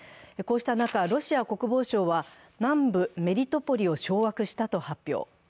こうした中、ロシア国防省は南部メリトポリを掌握したと発表。